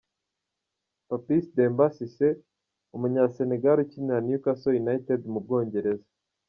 Papiss Demba Cisse , umunyasenegali ukinira Newcastle United mu Bwongerza .